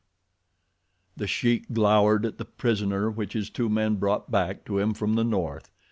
The Sheik glowered at the prisoner which his two men brought back to him from the North.